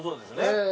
ええ。